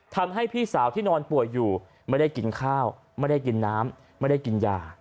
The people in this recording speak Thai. พี่สาวที่นอนป่วยอยู่ไม่ได้กินข้าวไม่ได้กินน้ำไม่ได้กินยา